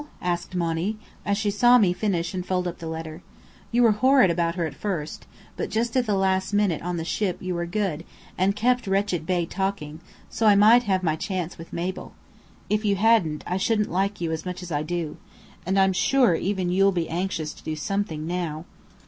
asked Monny, as she saw me finish and fold up the letter. "You were horrid about her at first, but just at the last minute on the ship, you were good, and kept Wretched Bey talking, so I might have my chance with Mabel. If you hadn't, I shouldn't like you as much as I do. And I'm sure even you'll be anxious to do something now."